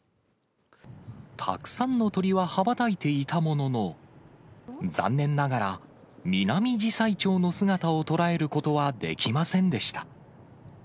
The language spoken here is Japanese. たくさんの鳥は羽ばたいていたものの、残念ながら、ミナミジサイチョウの姿を捉えることはできませんでした。